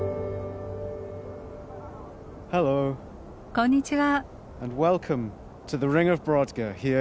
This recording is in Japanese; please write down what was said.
こんにちは。